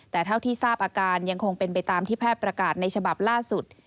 แต่เท่าที่ทราบอาการยังคงเป็นไปตามที่แพทย์ประกาศในฉบับล่าสุด